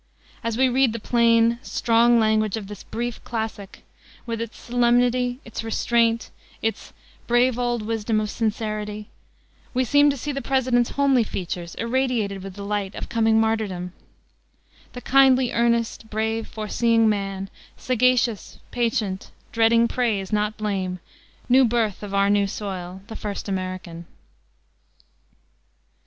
As we read the plain, strong language of this brief classic, with its solemnity, its restraint, its "brave old wisdom of sincerity," we seem to see the president's homely features irradiated with the light of coming martyrdom "The kindly earnest, brave, foreseeing man, Sagacious, patient, dreading praise, not blame, New birth of our new soil, the first American."